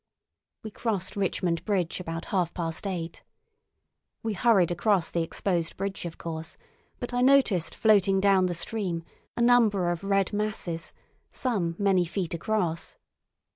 We crossed Richmond Bridge about half past eight. We hurried across the exposed bridge, of course, but I noticed floating down the stream a number of red masses, some many feet across.